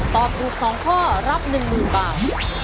ตอบถูก๒ข้อรับ๑๐๐๐บาท